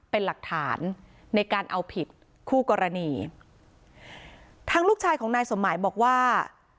เป็นหลักฐานในการเอาผิดคู่กรณีทางลูกชายของนายสมหมายบอกว่า